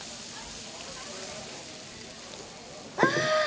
ああ！